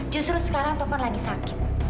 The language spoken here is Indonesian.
justru sekarang tovan lagi sakit